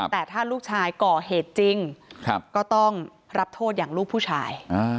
แต่ถ้าลูกชายก่อเหตุจริงก็ต้องรับโทษอย่างลูกผู้ชาย